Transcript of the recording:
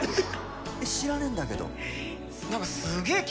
知らねえんだけど」